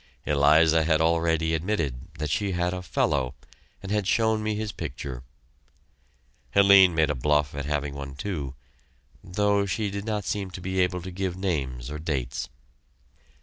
Eliza had already admitted that she had a "fellow," and had shown me his picture. Helene made a bluff at having one, too, though she did not seem able to give names or dates.